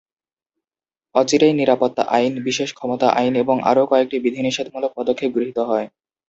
অচিরেই নিরাপত্তা আইন, বিশেষ ক্ষমতা আইন এবং আরও কয়েকটি বিধিনিষেধমূলক পদক্ষেপ গৃহীত হয়।